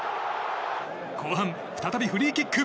後半、再びフリーキック！